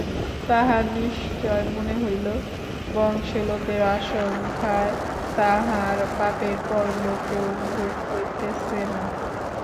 তাহার নিশ্চয় মনে হইল বংশলোপের আশঙ্কায় তাহার বাপের পরলোকেও ঘুম হইতেছে না।